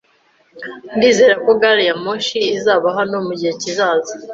Ndizera ko gari ya moshi izaba hano mugihe kizaza